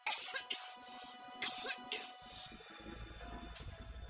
berhasilnya aja tinggal dikocok